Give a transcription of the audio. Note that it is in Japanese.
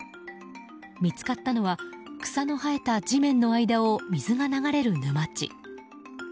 見つかったのは草の生えた地面の間を水が流れる沼地。